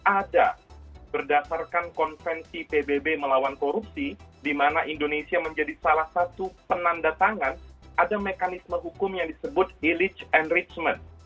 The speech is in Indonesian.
ada berdasarkan konvensi pbb melawan korupsi di mana indonesia menjadi salah satu penanda tangan ada mekanisme hukum yang disebut illege enrichment